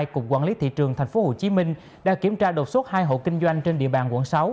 cục quản lý thị trường tp hcm đã kiểm tra đột xuất hai hộ kinh doanh trên địa bàn quận sáu